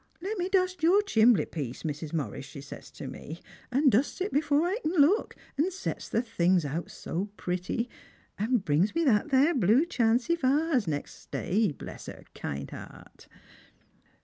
'Let me dust your chimbleypiece, Mrs. Mon is,' she says to me ; and dusts it before I can look, and sets the things •>ut so pretty, and brings me that there blue chaney vaise next my, bless her kind heart